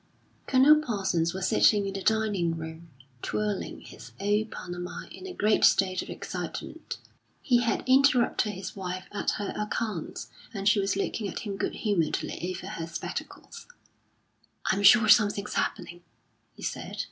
Colonel Parsons was sitting in the dining room, twirling his old Panama in a great state of excitement; he had interrupted his wife at her accounts, and she was looking at him good humouredly over her spectacles. "I'm sure something's happening," he said.